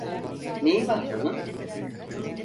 Neyi var bunun?